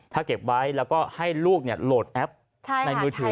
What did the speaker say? ถ้าเก็บไว้แล้วก็ให้ลูกโหลดแอปในมือถือ